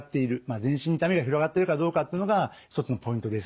全身に痛みが広がってるかどうかっていうのが一つのポイントです。